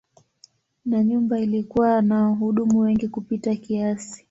Na nyumba ilikuwa na wahudumu wengi kupita kiasi.